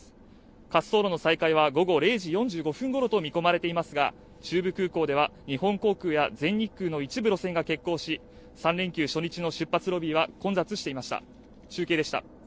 滑走路の再開は午後０時４５分ごろと見込まれていますが中部空港では日本航空や全日空の一部路線が欠航し３連休初日の出発ロビーは混雑していました